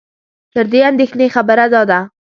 تر دې اندېښنې خبره دا ده